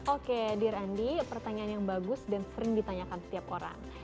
oke dear andy pertanyaan yang bagus dan sering ditanyakan setiap orang